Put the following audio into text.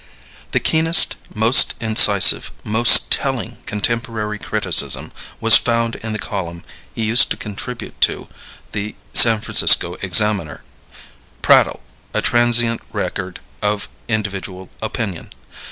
The keenest, most incisive, most telling contemporary criticism was found in the column he used to contribute to the San Francisco Examiner, "Prattle: A Transient Record of Individual Opinion."